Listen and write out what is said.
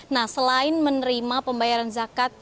nah selain menerima pembayaran zakat